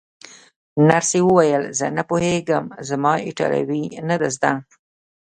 نرسې وویل: زه نه پوهېږم، زما ایټالوي نه ده زده.